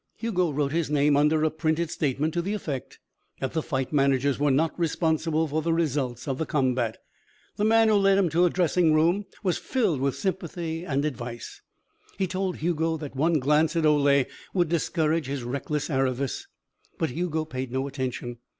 Hugo wrote his name under a printed statement to the effect that the fight managers were not responsible for the results of the combat. The man who led him to a dressing room was filled with sympathy and advice. He told Hugo that one glance at Ole would discourage his reckless avarice. But Hugo paid no attention.